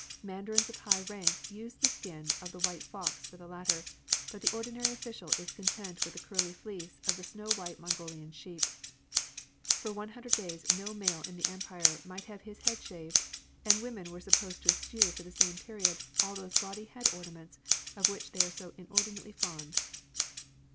Mandarins of high rank use the skin of the white fox for the latter, but the ordinary official is content with the curly fleece of the snow white Mongolian sheep. For one hundred days no male in the Empire might have his head shaved, and w^omen were sup posed to eschew for the same period all those gaudy head ornaments of which they are so inordinately fond.